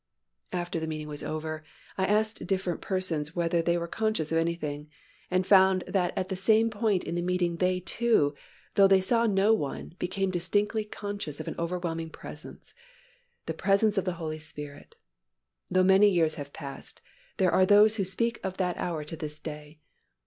After the meeting was over, I asked different persons whether they were conscious of anything and found that at the same point in the meeting they, too, though they saw no one, became distinctly conscious of an overwhelming Presence, the Presence of the Holy Spirit. Though many years have passed, there are those who speak of that hour to this day.